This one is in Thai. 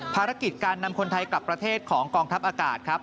ภารกิจการนำคนไทยกลับประเทศของกองทัพอากาศครับ